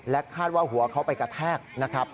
คาดว่าหัวเขาไปกระแทกนะครับ